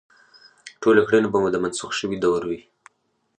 ټولې کړنې به مو د منسوخ شوي دور وي.